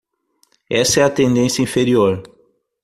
Essa é a tendência inferior.